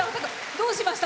どうしました？